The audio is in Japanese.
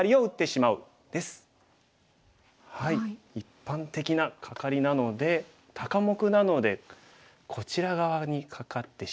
一般的なカカリなので高目なのでこちら側にカカってしまう手なんですが。